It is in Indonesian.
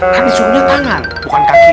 kan suruh tangan bukan kaki